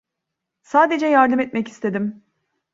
Sadece yardım etmek istedim.